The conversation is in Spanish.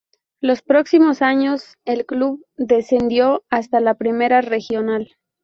Los próximos años, el club descendió hasta la Primera Regional.